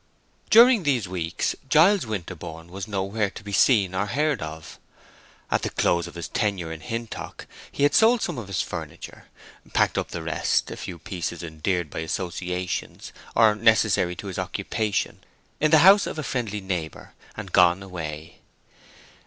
During these weeks Giles Winterborne was nowhere to be seen or heard of. At the close of his tenure in Hintock he had sold some of his furniture, packed up the rest—a few pieces endeared by associations, or necessary to his occupation—in the house of a friendly neighbor, and gone away.